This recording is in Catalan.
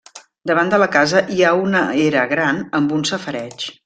Davant de la casa hi ha una era gran amb un safareig.